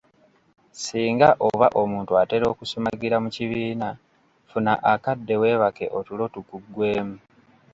Singa oba muntu atera okusumagira mu kibiina, funa akadde weebake otulo tukuggweemu.